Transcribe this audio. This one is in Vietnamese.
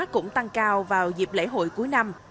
cũng tăng cao vào dịp lễ hội cuối năm